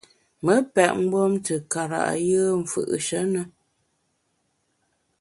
Me pèt mgbom te kara’ yùe m’ fù’she ne.